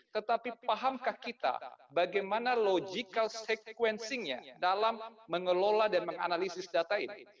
tetapi pahamkah kita bagaimana logical sequencingnya dalam mengelola dan menganalisis data ini